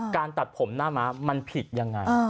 ตัดผมหน้าม้ามันผิดยังไง